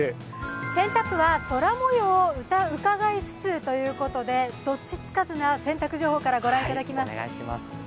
洗濯は空もようを伺いつつということでどっちつかずな洗濯情報からご覧いただきます